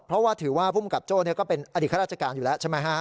เพราะว่าถือว่าภูมิกับโจ้ก็เป็นอดีตข้าราชการอยู่แล้วใช่ไหมฮะ